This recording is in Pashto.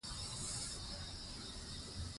که میندې ورکشاپ جوړ کړي نو مهارت به نه وي کم.